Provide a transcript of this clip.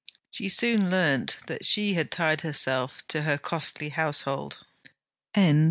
She soon learnt that she had tied herself to her costly household.